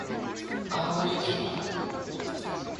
青森県に行く。